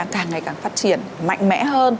càng ngày càng phát triển mạnh mẽ hơn